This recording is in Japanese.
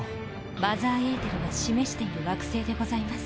マザーエーテルが示している惑星でございます。